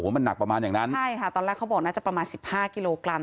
มันหนักประมาณอย่างนั้นใช่ค่ะตอนแรกเขาบอกน่าจะประมาณสิบห้ากิโลกรัม